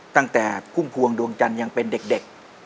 ตั้งแต่พุ่มพวงดวงจันทร์ยังเป็นเด็ก